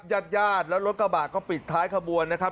ญาติญาติแล้วรถกระบะก็ปิดท้ายขบวนนะครับ